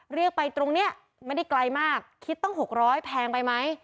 เรียกไปตรงนี้ไม่ได้ไกลมากคิดตั้ง๖๐๐แพงไปไหม